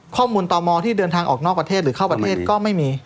ข้อมูลต่อมอที่เดินทางออกนอกประเทศหรือเข้าประเทศก็ไม่มี